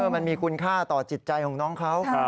มันมีคุณค่าต่อจิตใจของน้องเขา